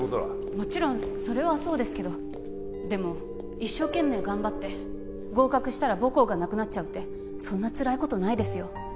もちろんそれはそうですけどでも一生懸命頑張って合格したら母校がなくなっちゃうってそんなつらいことないですよ